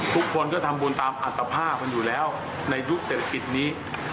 ทุกคนก็ทำบุญตามอัตภาพมันอยู่แล้วในยุคเศรษฐกิจนี้